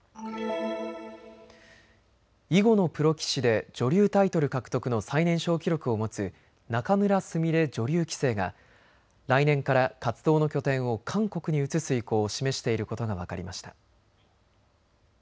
囲碁のプロ棋士で女流タイトル獲得の最年少記録を持つ仲邑菫女流棋聖が来年から活動の拠点を韓国に移す意向を示していることが分かりました。